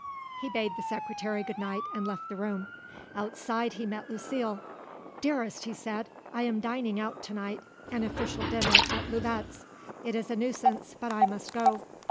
He bade the Secretary good night and left the room. Outside he met Lucile. "Dearest," he said, "I am dining out to night, an official dinner at Louvet's. It is a nuisance, but I must go.